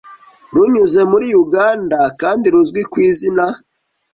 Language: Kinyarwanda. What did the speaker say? runyuze muri Uganda kandi ruzwi ku izina